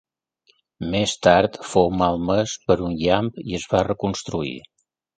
Més tard fou malmès per un llamp i es va reconstruir.